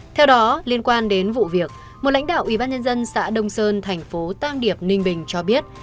theo đó liên quan đến vụ việc một lãnh đạo ủy ban nhân dân xã đông sơn thành phố tăng điệp ninh bình cho biết